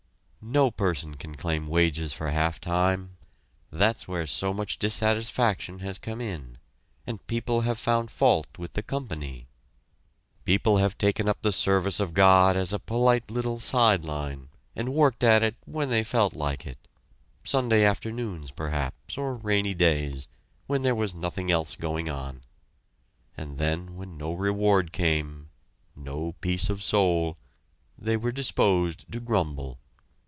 No person can claim wages for half time; that's where so much dissatisfaction has come in, and people have found fault with the company. People have taken up the service of God as a polite little side line and worked at it when they felt like it Sunday afternoons perhaps or rainy days, when there was nothing else going on; and then when no reward came no peace of soul they were disposed to grumble.